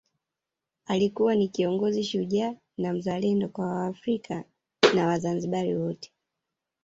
Alikuwa ni kiongozi shujaa na mzalendo kwa wa Afrika na wazanzibari wote